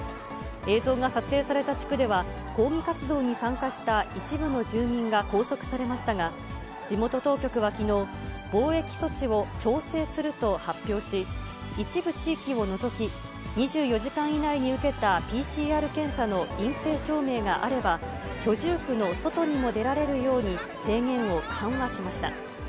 映像が撮影された地区では、抗議活動に参加した一部の住民が拘束されましたが、地元当局はきのう、防疫措置を調整すると発表し、一部地域を除き、２４時間以内に受けたＰＣＲ検査の陰性証明があれば、居住区の外にも出られるように制限を緩和しました。